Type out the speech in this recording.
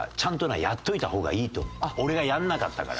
俺がやらなかったから。